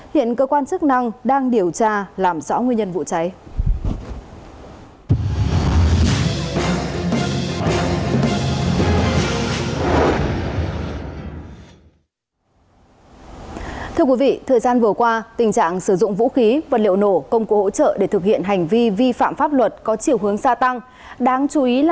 hiện cơ quan chức năng đang điều tra làm rõ nguyên nhân vụ cháy